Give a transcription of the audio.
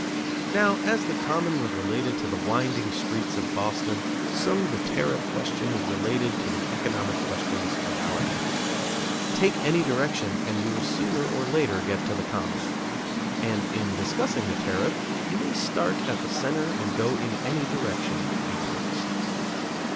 Now, as the Common was related to the winding streets of Boston, so the tariff question is related to the economic questions of our day. Take any direction and you will sooner or later get to the Common. And, in discussing the tariff you may start at the centre and go in any direction you please.